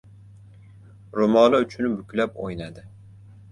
Ro‘moli uchini buklab o‘ynadi.